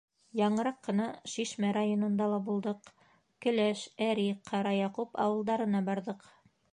Яңыраҡ ҡына Шишмә районында ла булдыҡ, Келәш, Әри, Ҡараяҡуп ауылдарына барҙыҡ.